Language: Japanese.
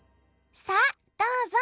さあどうぞ！